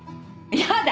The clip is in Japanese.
やだ